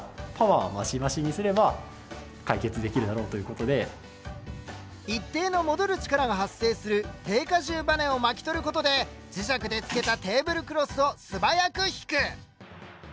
とにかく一定の戻る力が発生する定荷重ばねを巻き取ることで磁石でつけたテーブルクロスを素早く引く！